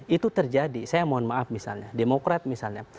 itu terjadi saya mohon maaf misalnya demokrat misalnya